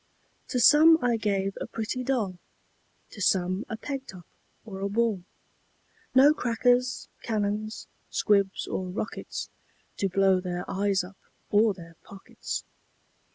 To some I gave a pretty doll, To some a peg top, or a ball; No crackers, cannons, squibs, or rockets, To blow their eyes up, or their pockets.